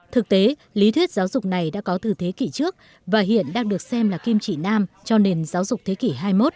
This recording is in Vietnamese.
thực tế lý thuyết giáo dục này đã có từ thế kỷ trước và hiện đang được xem là kim chỉ nam cho nền giáo dục thế kỷ hai mươi một